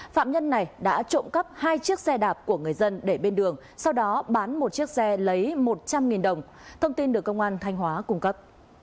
phạm nhân này đã trộm cắp hai chiếc xe đạp của người dân để bên đường sau đó bán một chiếc xe lấy một trăm linh đồng thông tin được công an thanh hóa cung cấp